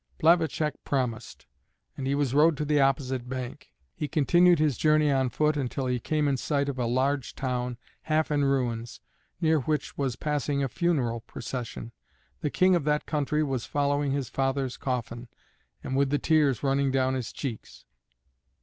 Plavacek promised, and was rowed to the opposite bank. He continued his journey on foot until he came in sight of a large town half in ruins, near which was passing a funeral procession. The King of that country was following his father's coffin, and with the tears running down his cheeks.